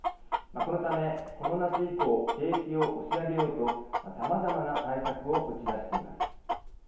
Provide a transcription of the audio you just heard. このため、この夏以降景気を押し上げようとさまざまな対策を打ち出しています。